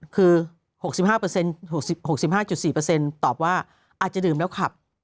คือ๖๕๖๕๔ตอบว่าอาจจะดื่มแล้วขับ